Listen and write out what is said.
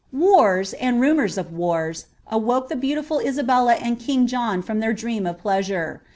Warx, and rumours of witra, awoke the beoutiful Isabella and kiaf John from their dream of pleasure.